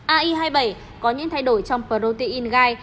ai hai mươi bảy có những thay đổi trong protein gai